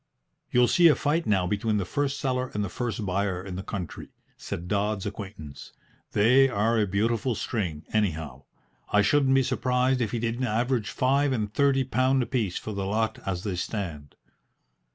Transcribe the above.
"You'll see a fight now between the first seller and the first buyer in the country," said Dodds's acquaintance. "They are a beautiful string, anyhow. I shouldn't be surprised if he didn't average five and thirty pound apiece for the lot as they stand."